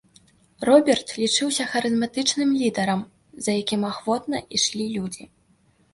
Роберт лічыўся харызматычным лідарам, за якім ахвотна ішлі людзі.